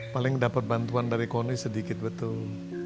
paling dapat bantuan dari koni sedikit betul